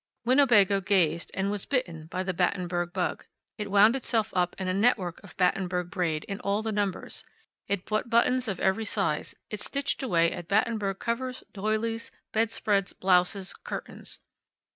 Winnebago gazed and was bitten by the Battenberg bug. It wound itself up in a network of Battenberg braid, in all the numbers. It bought buttons of every size; it stitched away at Battenberg covers, doilies, bedspreads, blouses, curtains.